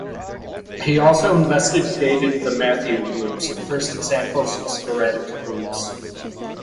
He also investigated the Mathieu groups, the first examples of sporadic groups.